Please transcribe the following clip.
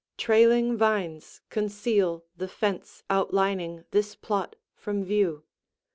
Trailing vines conceal the fence outlining this plot from view.